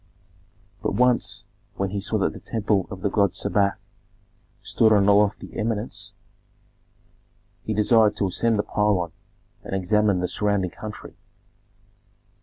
But once, when he saw that the temple of the god Sebak stood on a lofty eminence, he desired to ascend the pylon and examine the surrounding country.